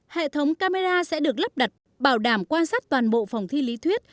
hệ thống camera sẽ được lắp đặt bảo đảm quan sát toàn bộ phòng thi lý thuyết